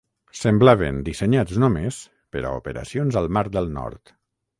Semblaven dissenyats només per a operacions al Mar del Nord.